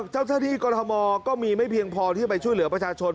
เจ้าหน้าที่กรทมก็มีไม่เพียงพอที่จะไปช่วยเหลือประชาชน